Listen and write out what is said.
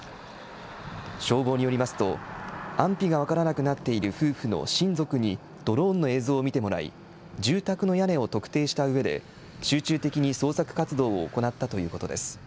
消防によりますと、安否が分からなくなっている夫婦の親族にドローンの映像を見てもらい、住宅の屋根を特定したうえで、集中的に捜索活動を行ったということです。